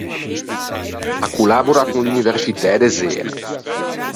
A collabora con l’universcitæ de Zena.